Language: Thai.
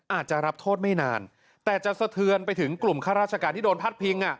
อาจจะรับโทษไม่นานแต่จะสะเทือนไปถึงกลุ่มข้าราชการที่โดนพัดพิงอ่ะ